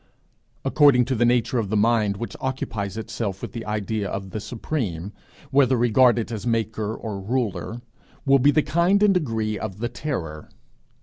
According to the nature of the mind which occupies itself with the idea of the Supreme, whether regarded as maker or ruler, will be the kind and degree of the terror.